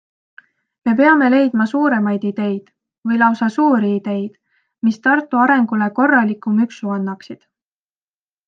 Me peame leidma suuremaid ideid - või lausa suuri ideid -, mis Tartu arengule korraliku müksu annaksid.